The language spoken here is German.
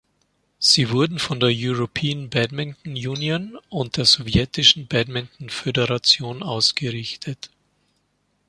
Sie wurden von der European Badminton Union und der Sowjetischen Badminton Föderation ausgerichtet.